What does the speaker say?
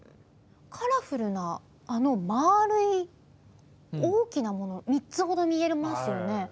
カラフルなあの丸い大きなもの３つほど見えますよね。